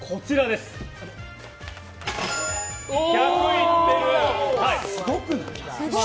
すごくない？